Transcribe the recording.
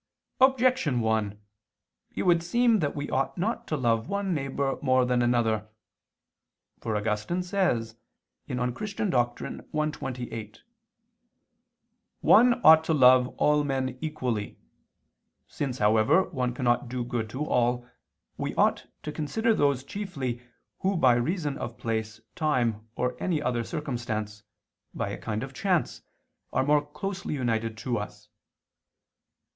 Objection 1: It would seem that we ought not to love one neighbor more than another. For Augustine says (De Doctr. Christ. i, 28): "One ought to love all men equally. Since, however, one cannot do good to all, we ought to consider those chiefly who by reason of place, time or any other circumstance, by a kind of chance, are more closely united to us."